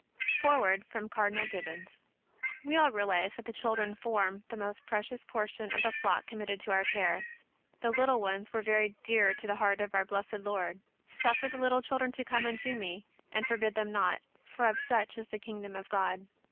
FOREWORD FEOM OAEDINAL GIBBONS. We all realize that the children form the most pre cious portion of the flock committed to our care. The little ones were very dear to the heart of our Blessed Lord :" Suffer the little children to come unto me, and forbid them not; for of such is the kingdom of God."